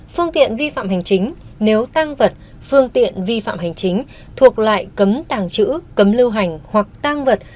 phương tiện vi phạm hành chính nếu tăng vật phương tiện vi phạm hành chính thuộc lại cấm tàng trữ cấm lưu hành hoặc tăng vật